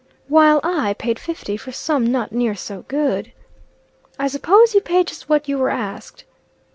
"While I paid fifty for some not near so good." "I suppose you paid just what you were asked?"